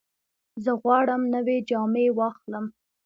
زه غواړم نوې جامې واخلم.